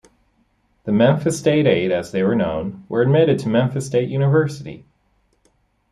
The Memphis State Eight, as they were known, were admitted to Memphis State University.